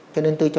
cho nên tôi cho